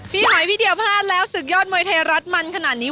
หอยพี่เดียวพลาดแล้วศึกยอดมวยไทยรัฐมันขนาดนี้